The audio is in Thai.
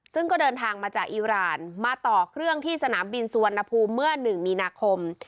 ซึ่งก็เดินทางมาจากอิราณมาต่อเครื่องที่สนามบินสุวรรณภูมิเมื่อ๑มีนาคม